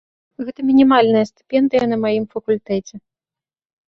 Гэта мінімальная стыпендыя на маім факультэце.